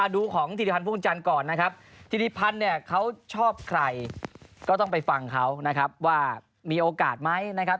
ดูของธิริภัพร์ภูมิจันทร์ก่อนนะครับ